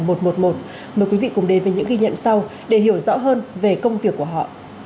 mời quý vị cùng đến với những ghi nhận sau để hiểu rõ hơn về công việc của họ